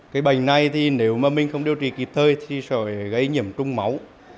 cái bệnh này thì nếu mà mình không điều trị kịp thời thì sẽ gây nhiễm trung máu